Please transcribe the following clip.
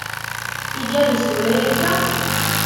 Igerrez tura akka?